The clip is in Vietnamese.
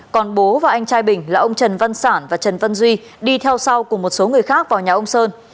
còn bố và anh trai bình là ông trần văn sản và trần văn duy đi theo sau cùng một số người khác vào nhà ông sơn